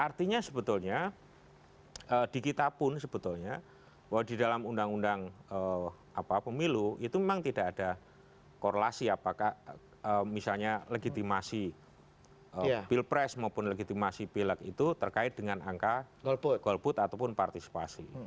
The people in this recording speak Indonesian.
artinya sebetulnya di kita pun sebetulnya bahwa di dalam undang undang pemilu itu memang tidak ada korelasi apakah misalnya legitimasi pilpres maupun legitimasi pilek itu terkait dengan angka golput ataupun partisipasi